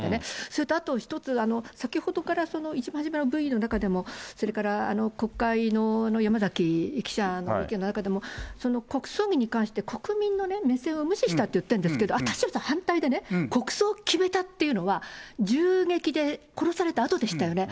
それとあと一つ、先ほどから一番初めのＶの中でも、それから国会の山崎記者の意見の中でも、国葬儀に関して、国民の目線を無視したと言ってるんですけど、私は反対でね、国葬を決めたっていうのは、銃撃で殺されたあとでしたよね。